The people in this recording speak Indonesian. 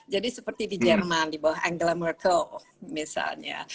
jadi seperti di jerman di bawah angela merkel misalnya